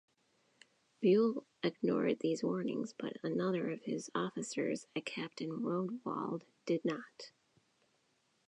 Buel ignored these warnings, but another of his officers, a Captain Rodewald, did not.